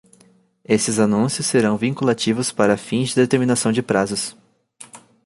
Esses anúncios serão vinculativos para fins de determinação de prazos.